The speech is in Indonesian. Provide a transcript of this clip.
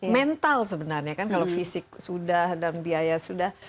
mental sebenarnya kan kalau fisik sudah dan biaya sudah